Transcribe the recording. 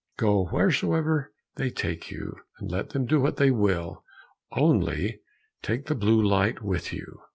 "Go wheresoever they take you, and let them do what they will, only take the blue light with you."